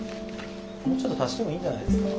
もうちょっと足してもいいんじゃないですか。